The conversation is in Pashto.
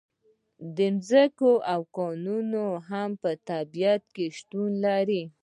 ځمکه او کانونه هم په طبیعت کې شتون لري.